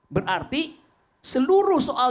berarti seluruh soal